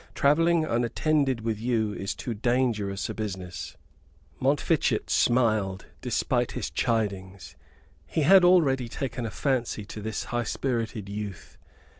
Travelling unattended with you is too dangerous a business." Montfichet smiled despite his chidings. He had already taken a fancy to this high spirited youth.